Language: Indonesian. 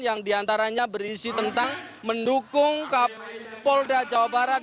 yang diantaranya berisi tentang mendukung polda jawa barat